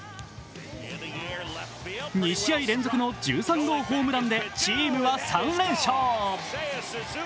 ２試合連続の１３号ホームランでチームは３連勝。